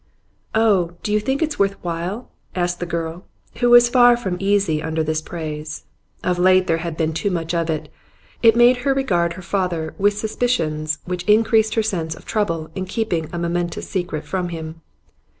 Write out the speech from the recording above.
'Oh, do you think it's worth while?' answered the girl, who was far from easy under this praise. Of late there had been too much of it; it made her regard her father with suspicions which increased her sense of trouble in keeping a momentous secret from him.